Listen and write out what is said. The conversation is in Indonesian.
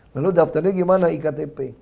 lalu daftarnya gimana iktp